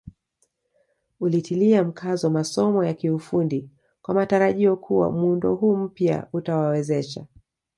Ulitilia mkazo masomo ya kiufundi kwa matarajio kuwa muundo huu mpya utawawezesha